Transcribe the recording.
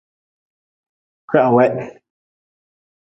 Kwihaweh.